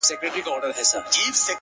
شراب مسجد کي _ ميکده کي عبادت کومه _